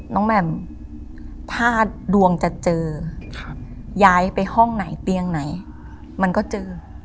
แหม่มถ้าดวงจะเจอย้ายไปห้องไหนเตียงไหนมันก็เจอ